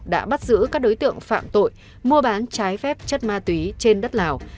đã bắt giữ các đối tượng phạm tội mua bán trái phép chất ma túy trên đất lào